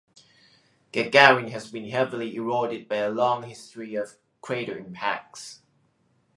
Gagarin has been heavily eroded by a long history of crater impacts.